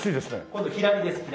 今度左です左。